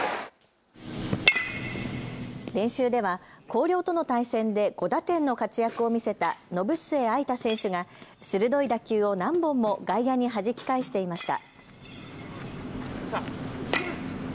練習では広陵との対戦で５打点の活躍を見せた延末藍太選手が鋭い打球を何本も外野にはじき返していました。